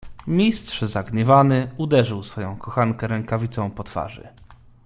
"Mistrz zagniewany uderzył swoją kochankę rękawicą po twarzy."